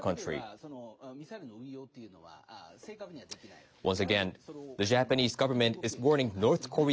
ただこれだけでは、ミサイルの運用というのは、正確にはできない。